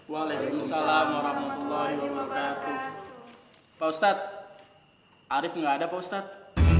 waalaikumsalam warahmatullahi wabarakatuh pak ustadz arief nggak ada pak ustadz